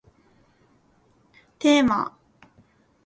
テーマ